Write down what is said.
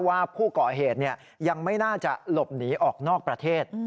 ว่าผู้ก่อเหตุยังไม่น่าจะหลบหนีออกนอกประเทศ